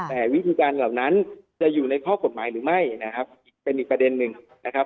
แต่วิธีการเหล่านั้นจะอยู่ในข้อกฎหมายหรือไม่นะครับอีกเป็นอีกประเด็นหนึ่งนะครับ